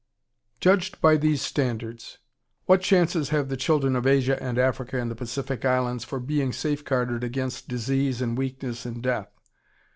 ] Judged by these standards, what chances have the children of Asia and Africa and the Pacific Islands for being safeguarded against disease and weakness and death?